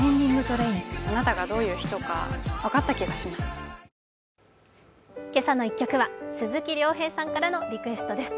三井不動産「けさの１曲」は鈴木亮平さんからのリクエストです。